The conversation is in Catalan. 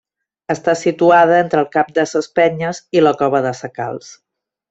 Està situada entre el Cap de ses Penyes i la cova de sa Calç.